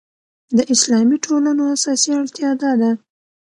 د اسلامي ټولنو اساسي اړتیا دا ده.